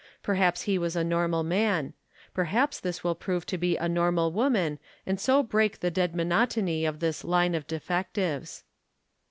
Perhaps he was a normal man. Perhaps this will prove to be a normal woman and so break the dead monotony of this line of defectives.